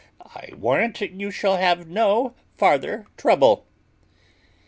I warrant you shall have no farther trouble."